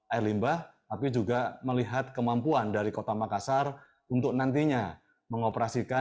air limbah tapi juga melihat kemampuan dari kota makassar untuk nantinya mengoperasikan